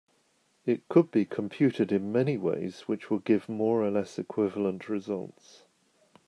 It could be computed in many ways which would give more or less equivalent results.